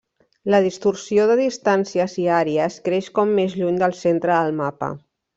La distorsió de distàncies i àrees creix com més lluny del centre del mapa.